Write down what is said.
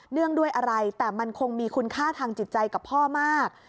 งด้วยอะไรแต่มันคงมีคุณค่าทางจิตใจกับพ่อมาก